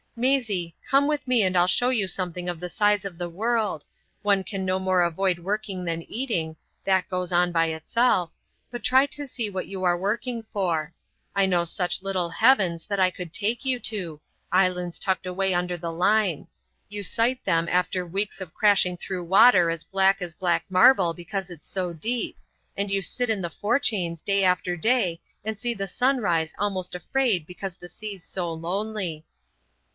Maisie, come with me and I'll show you something of the size of the world. One can no more avoid working than eating,—that goes on by itself,—but try to see what you are working for. I know such little heavens that I could take you to,—islands tucked away under the Line. You sight them after weeks of crashing through water as black as black marble because it's so deep, and you sit in the fore chains day after day and see the sun rise almost afraid because the sea's so lonely."